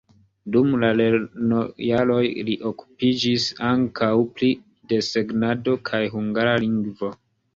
Dum la lernojaroj li okupiĝis ankaŭ pri desegnado kaj hungara lingvo.